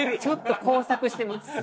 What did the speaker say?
ちょっと交錯してます。